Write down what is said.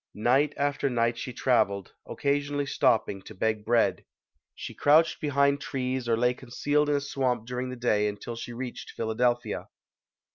Night after night she traveled, occasion ally stopping to beg bread. She crouched behind trees or lay concealed in a swamp during the day until she reached Philadelphia.